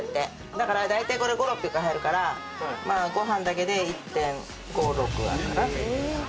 だから大体これ５００６００入るからまあご飯だけで１．５１．６はあるかな。